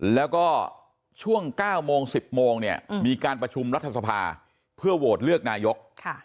แล้วก็ช่วง๙โมง๑๐โมงเนี่ยมีการประชุมรัฐสภาเพื่อโหวตเลือกนายก